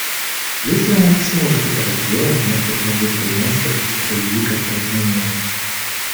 Если она не сможет этого сделать, необходимо будет принять какие-то другие конкретные меры.